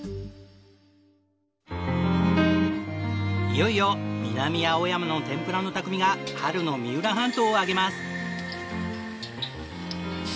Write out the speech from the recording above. いよいよ南青山の天ぷらの匠が春の三浦半島を揚げます。